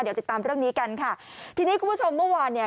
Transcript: เดี๋ยวติดตามเรื่องนี้กันค่ะทีนี้คุณผู้ชมเมื่อวานเนี่ย